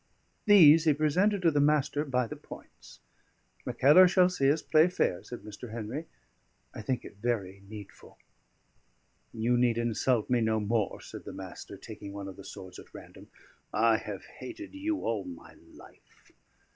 These he presented to the Master by the points. "Mackellar shall see us play fair," said Mr. Henry. "I think it very needful." "You need insult me no more," said the Master, taking one of the swords at random. "I have hated you all my life."